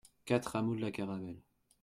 quatre hameau de la Caravelle